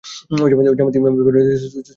ওই জামাতে ইমামতি করেন সুফি সৈয়দ আহমেদ নিজেই।